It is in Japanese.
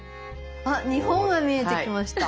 あっ日本が見えてきました。